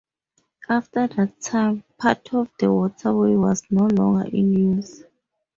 After that time, part of the waterway was no longer in use.